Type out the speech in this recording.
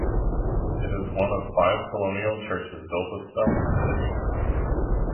It is one of the five colonial churches built of stone in the city.